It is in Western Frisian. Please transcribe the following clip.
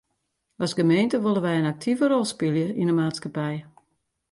As gemeente wolle wy in aktive rol spylje yn de maatskippij.